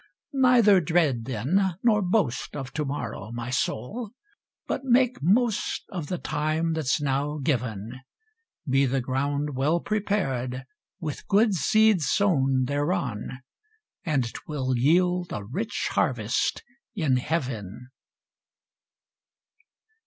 Neither dread then, nor boast of to morrow, my soul, But make most of the time that's now given; Be the ground well prepared, with good seed sown thereon, And 'twill yield a rich harvest in heaven.